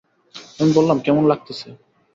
আমি বললাম, কেমন লাগতেছে?